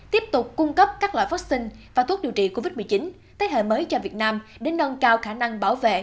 tiếp tục cung cấp các loại vaccine và thuốc điều trị covid một mươi chín thế hệ mới cho việt nam để nâng cao khả năng bảo vệ